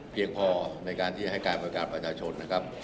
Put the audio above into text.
พอในการที่จะให้การบริการประชาชนนะครับ